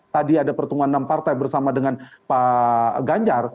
tadi ada pertemuan enam partai bersama dengan pak ganjar